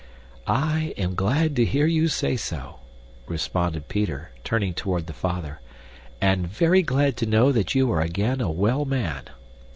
"I am glad to hear you say so," responded Peter, turning toward the father, "and very glad to know that you are again a well man."